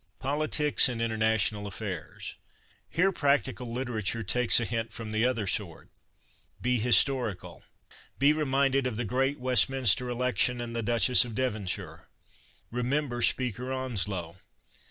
Politics and International Affairs. — Here prac tical literature takes a hint from the other sort. Be historical. 13c reminded of the great Westminster Election and the Duchess of Devonshire. Remem ber Speaker Onslow.